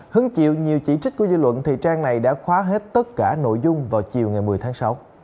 hứng chịu nhiều chỉ trích của dư luận thì trang này đã khóa hết tất cả nội dung vào chiều ngày một mươi tháng sáu